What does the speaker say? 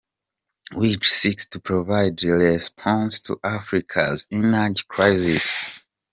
which seeks to provide a response to Africa’s energy crisis.